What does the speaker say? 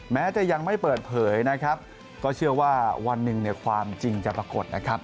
แม้จะยังไม่เปิดเผยนะครับก็เชื่อว่าวันหนึ่งเนี่ยความจริงจะปรากฏนะครับ